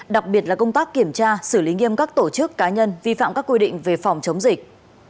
đặc biệt là công tác kiểm tra xử lý nghiêm các tổ chức cá nhân vi phạm các quy định về phòng chống dịch